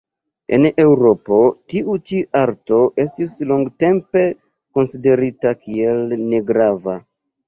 En Eŭropo, tiu ĉi arto estis longtempe konsiderita kiel negrava.